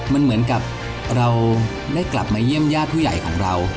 มันเหมือนกับเราได้กลับมาเยี่ยมญาติผู้ใหญ่ของเรา